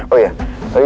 aduh aku mau pulang